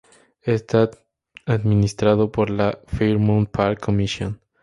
Está administrado por la "Fairmount Park Commission".